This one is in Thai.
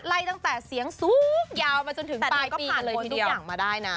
ตั้งแต่เสียงสูงยาวมาจนถึงปลายก็ผ่านพ้นทุกอย่างมาได้นะ